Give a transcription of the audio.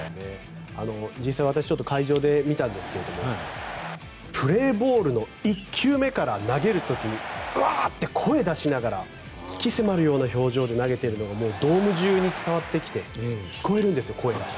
実際、私会場で見たんですがプレーボールの１球目から投げる時うわって声を出しながら鬼気迫る表情で投げているのがもうドーム中に伝わってきて聞こえるんですよ、声が。